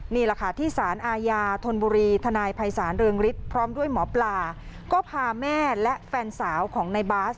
นี่แหละค่ะที่สารอาญาธนบุรีทนายภัยศาลเรืองฤทธิ์พร้อมด้วยหมอปลาก็พาแม่และแฟนสาวของในบาส